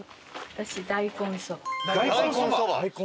私大根そば。